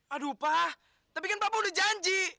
aduh pak tapi kan bapak udah janji